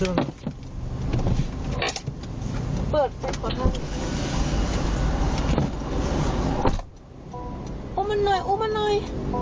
อุ้มันหน่อยอุ้มันหน่อย